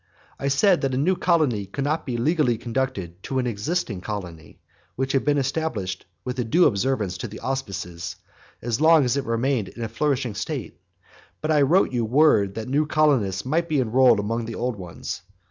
I said that a new colony could not be legally conducted to an existing colony, which had been established with a due observance of the auspices, as long as it remained in a flourishing state; but I wrote you word that new colonists might be enrolled among the old ones.